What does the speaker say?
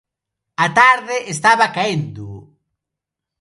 A tarde estaba caendo.